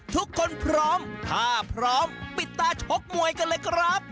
ทุกคนพร้อมถ้าพร้อมปิดตาชกมวยกันเลยครับ